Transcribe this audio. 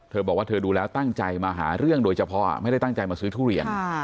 บอกว่าเธอดูแล้วตั้งใจมาหาเรื่องโดยเฉพาะไม่ได้ตั้งใจมาซื้อทุเรียน